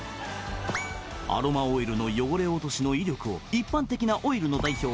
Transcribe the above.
アロマオイルの汚れ落としの威力を一般的なオイルの代表